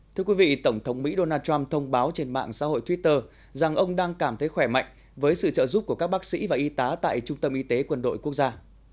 thưa quý vị tổng thống mỹ donald trump thông báo trên mạng xã hội twitter rằng ông đang cảm thấy khỏe mạnh với sự trợ giúp của các bác sĩ và y tá tại trung tâm y tế quân đội quốc gia